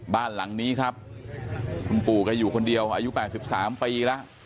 บ้านหลังนี้ครับคุณปู่แกอยู่คนเดียวอายุ๘๓ปีแล้ว